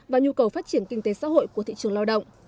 và nhu cầu phát triển kinh tế xã hội của thị trường lao động